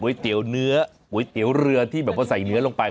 เตี๋ยวเนื้อก๋วยเตี๋ยวเรือที่แบบว่าใส่เนื้อลงไป